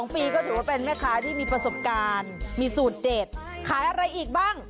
๒ปีก็ถือว่าเป็นแม่ค้าที่มีประสบการณ์มีสูตรเด็ดขายอะไรอีกบ้าง